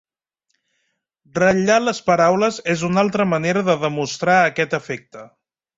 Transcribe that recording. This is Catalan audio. Ratllar les paraules és una altra manera de demostrar aquest efecte.